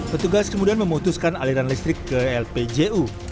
petugas kemudian memutuskan aliran listrik ke lpju